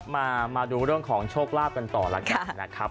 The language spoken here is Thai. มาดูเรื่องของโชคลาภกันต่อแล้วกันนะครับ